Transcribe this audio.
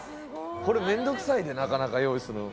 これ面倒くさいでなかなか用意するの。